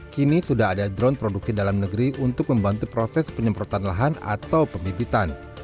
kini sudah ada drone produksi dalam negeri untuk membantu proses penyemprotan lahan atau pembibitan